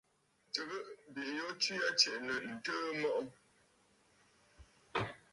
Tɨgə bìꞌiyu tswe aa tsiꞌì nɨ̂ ǹtɨɨ mɔꞌɔ̀?